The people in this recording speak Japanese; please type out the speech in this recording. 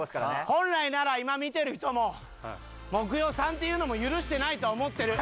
本来なら今見てる人も目標３っていうのも許してないとは思ってる。